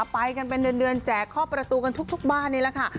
ไปกันเป็นเดือนแจกข้อประตูกันทุกบ้านนี่แหละค่ะ